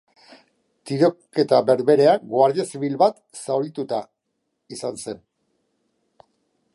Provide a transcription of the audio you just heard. Tiroketa berberean, guardia zibil bat zauritua izan zen.